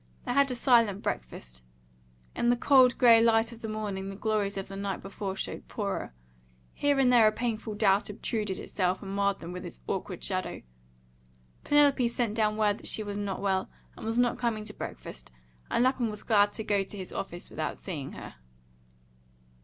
They had a silent breakfast. In the cold grey light of the morning the glories of the night before showed poorer. Here and there a painful doubt obtruded itself and marred them with its awkward shadow. Penelope sent down word that she was not well, and was not coming to breakfast, and Lapham was glad to go to his office without seeing her.